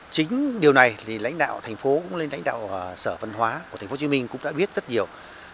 chính điều này thì lãnh đạo thành phố lãnh đạo sở văn hóa của thành phố hồ chí minh cũng đã biết rất nhiều